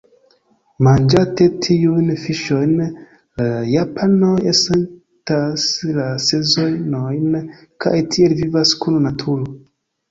Manĝante tiujn fiŝojn, la japanoj sentas la sezonojn kaj tiel vivas kun naturo.